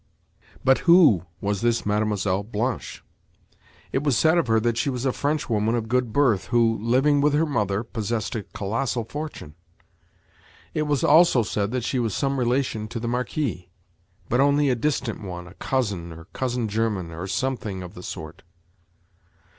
But who was this Mlle. Blanche? It was said of her that she was a Frenchwoman of good birth who, living with her mother, possessed a colossal fortune. It was also said that she was some relation to the Marquis, but only a distant one a cousin, or cousin german, or something of the sort.